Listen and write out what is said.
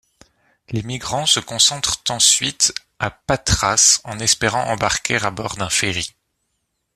Les migrants se concentrent ensuite à Patras en espérant embarquer à bord d'un ferry.